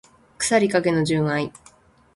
腐りかけの純愛